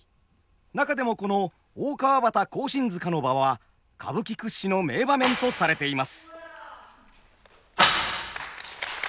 中でもこの「大川端庚申塚の場」は歌舞伎屈指の名場面とされています。